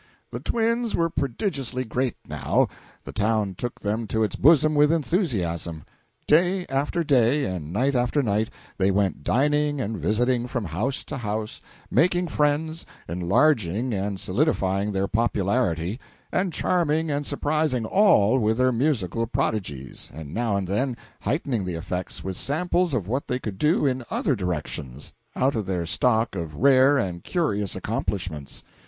The twins were prodigiously great, now; the town took them to its bosom with enthusiasm. Day after day, and night after night, they went dining and visiting from house to house, making friends, enlarging and solidifying their popularity, and charming and surprising all with their musical prodigies, and now and then heightening the effects with samples of what they could do in other directions, out of their stock of rare and curious accomplishments.